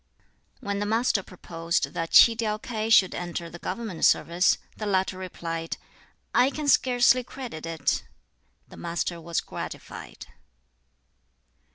When the Master proposed that Tsi tiau K'ai should enter the government service, the latter replied, "I can scarcely credit it." The Master was gratified.